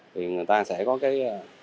thì người ta sẽ có cái